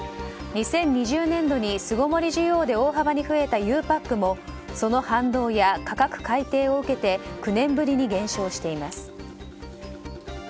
２０２０年度に巣ごもり需要で大幅に増えたゆうパックもその反動や価格改定を受けて９年ぶりに減少しています。